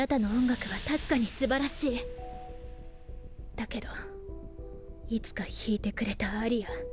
だけどいつかひいてくれたアリア。